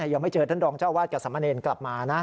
ยังไม่เจอท่านรองเจ้าวาดกับสมเนรกลับมานะ